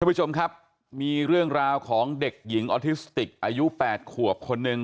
ผู้ชมครับมีเรื่องราวของเด็กหญิงออทิสติกอายุ๘ขวบคนหนึ่ง